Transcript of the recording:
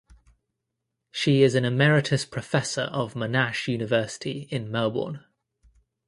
She is an emeritus professor of Monash University in Melbourne.